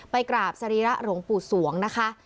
กราบสรีระหลวงปู่สวงนะคะ